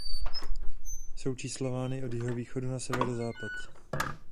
Jsou číslovány od jihovýchodu na severozápad.